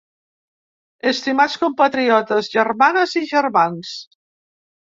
Estimats compatriotes, germanes i germans.